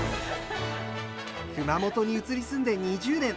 熊本に移り住んで２０年。